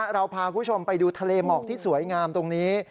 เราพาคุณผู้ชมไปดูทะเลหมอกที่สวยงามตรงนี้